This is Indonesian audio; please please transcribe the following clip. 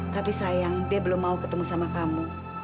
tapi sayang dia belum mau ketemu sama kamu